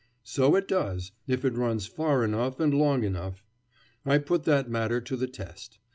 So it does, if it runs far enough and long enough. I put that matter to the test.